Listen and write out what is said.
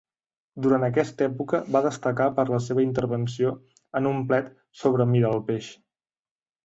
Durant aquesta època va destacar per la seva intervenció en un plet sobre Miralpeix.